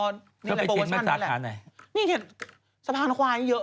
นี่แหละประวัติศาสตร์นั้นแหละนี่เห็นสะพานควายเยอะมาก